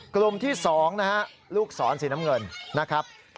กลุ่มที่๒นะฮะลูกศรสีน้ำเงินนะครับ